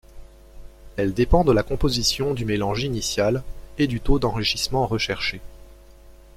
Elle dépend de la composition du mélange initial et du taux d'enrichissement recherché.